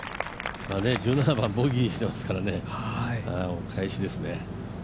１７番ボギーしてますからねお返しですね。